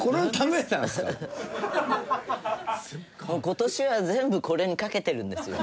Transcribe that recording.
今年は全部これにかけてるんですよ。